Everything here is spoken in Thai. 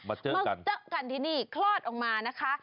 มาเจอกันที่นี่คลอดออกมานะคะ